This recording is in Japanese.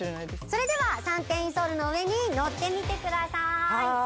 それでは３点インソールの上に乗ってみてください